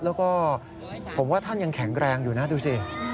แล้วก็ผมว่าท่านยังแข็งแรงอยู่นะดูสิ